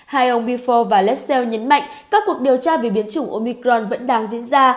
hai ông bifor và lessell nhấn mạnh các cuộc điều tra về biến chủng omicron vẫn đang diễn ra